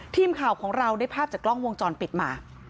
ทีมข่าวของเราได้ภาพจากกล้องวงจรปิดมา